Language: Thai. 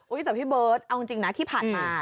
อุ๊ยแต่พี่เบิร์ตเอาจริงจริงนะที่ผ่านอ่า